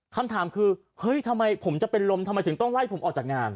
คำถามคือเฮ้ยทำไมผมจะเป็นลมทำไมถึงต้องไล่ผมออกจากงาน